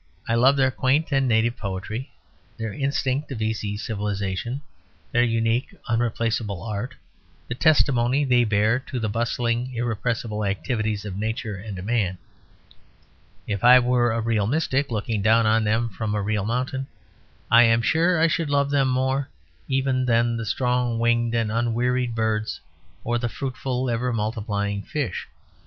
I love their quaint and native poetry, their instinct of easy civilisation, their unique unreplaceable art, the testimony they bear to the bustling, irrepressible activities of nature and man. If I were a real mystic looking down on them from a real mountain, I am sure I should love them more even than the strong winged and unwearied birds or the fruitful, ever multiplying fish.